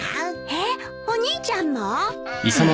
えっお兄ちゃんも！？